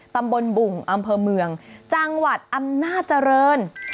ตำบลบุ่งอำเภอเมืองจังหวัดอำนาจริง